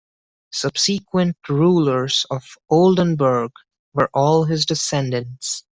Subsequent Rulers of Oldenburg were all his descendants.